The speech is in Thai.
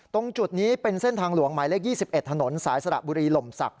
ตรงจุดนี้เป็นเส้นทางหลวงหมายเลข๒๑ถนนสายสระบุรีหล่มศักดิ